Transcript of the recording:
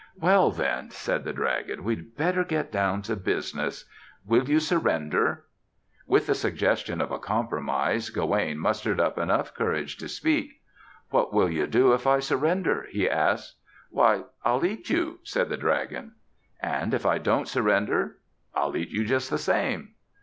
"Well, then," said the dragon, "we'd better get down to business. Will you surrender?" With the suggestion of a compromise Gawaine mustered up enough courage to speak. "What will you do if I surrender?" he asked. "Why, I'll eat you," said the dragon. "And if I don't surrender?" "I'll eat you just the same."